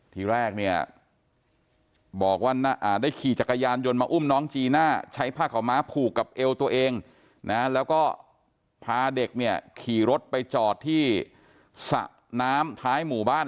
ทีแรกเนี่ยบอกว่าได้ขี่จักรยานยนต์มาอุ้มน้องจีน่าใช้ผ้าขาวม้าผูกกับเอวตัวเองนะแล้วก็พาเด็กเนี่ยขี่รถไปจอดที่สระน้ำท้ายหมู่บ้าน